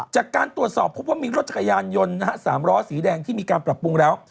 จากการตรวจสอบพบว่ามีรถจักรยานยนต์๓ล้อสีแดงที่มีการปรับปรุงแล้ว